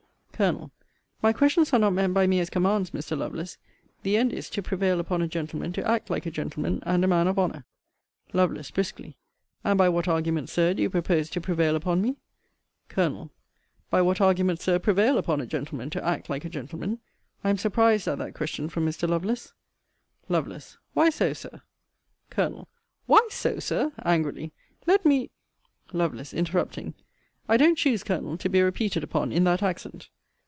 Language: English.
Col. My questions are not meant by me as commands, Mr. Lovelace. The end is, to prevail upon a gentleman to act like a gentleman, and a man of honour. Lovel. (briskly) And by what arguments, Sir, do you propose to prevail upon me? Col. By what arguments, Sir, prevail upon a gentleman to act like a gentleman! I am surprised at that question from Mr. Lovelace. Lovel. Why so, Sir? Col. WHY so, Sir! (angrily) Let me Lovel. (interrupting) I don't choose, Colonel, to be repeated upon, in that accent.